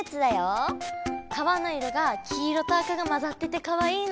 皮の色が黄色と赤が混ざっててかわいいの！